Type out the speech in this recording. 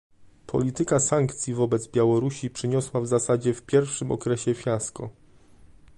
Polityka sankcji wobec Białorusi przyniosła w zasadzie w pierwszym okresie fiasko